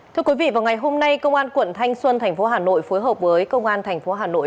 thưa quý vị vào ngày hôm nay công an quận thanh xuân tp hà nội phối hợp với công an tp hà nội